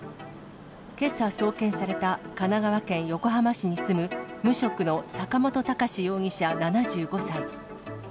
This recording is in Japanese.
けさ送検された、神奈川県横浜市に住む無職の坂本高志容疑者７５歳。